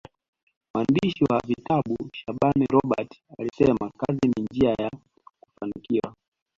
mwandishi wa vitabu shaaban robert alisema kazi ni njia ya kufanikiwa